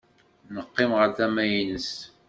Neqqim ɣer tama-nnes.